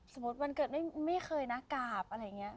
สมมุติวันเกิดไม่เคยนะกราบอะไรอย่างเงี้ย